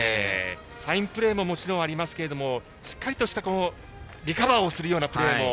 ファインプレーももちろんありますけれどもしっかりとリカバーをするようなプレーも